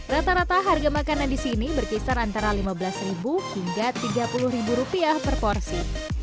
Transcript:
rata rata harga makanan di sini berkisar antara lima belas hingga tiga puluh per porsi